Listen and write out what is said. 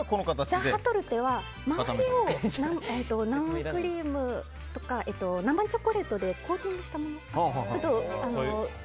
ザッハトルテは周りを生クリームとか生チョコレートでコーティングしたもの。